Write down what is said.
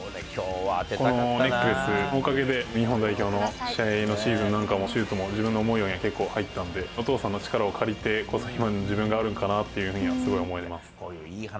このネックレスのおかげで、日本代表の試合のシーズンなんかも、シュートも自分の思うように入ったんで、お父さんの力を借りてこそ、今の自分があるんだなとすごい思います。